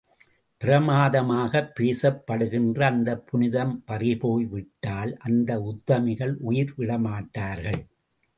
பிரமாதமாகப் பேசப்படுகின்ற அந்தப் புனிதம் பறி போய் விட்டால் அந்த உத்தமிகள் உயிர் விடமாட்டார்கள்.